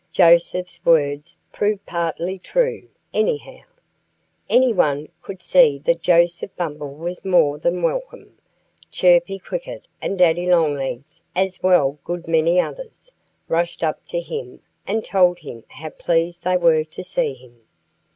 Joseph's words proved partly true, anyhow. Anyone could see that Joseph Bumble was more than welcome. Chirpy Cricket and Daddy Longlegs as well good many others rushed up to him and told him how pleased they were to see him.